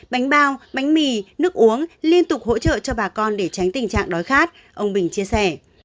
bánh bao bánh mì nước uống liên tục hỗ trợ cho bà con để tránh tình trạng đói khát ông bình chia sẻ